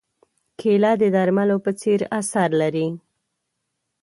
کېله د درملو په څېر اثر لري.